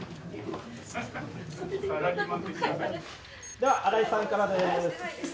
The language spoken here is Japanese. では新井さんからです。